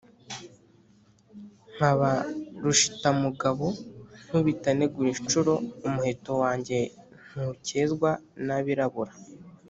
nkaba rushitamugabo, nkubita negura inshuro, umuheto wanjye ntukezwa n’abirabura.